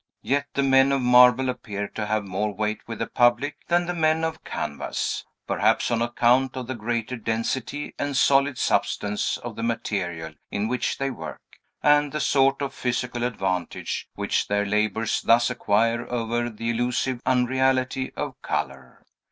Yet the men of marble appear to have more weight with the public than the men of canvas; perhaps on account of the greater density and solid substance of the material in which they work, and the sort of physical advantage which their labors thus acquire over the illusive unreality of color.